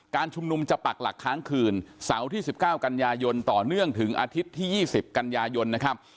การชุมนุมจะปักหลักค้างคืนเสาร์ที่๑๙กันยายนต่อเนื่องถึงอาทิตย์ที่๒๐กันยายนนะครับ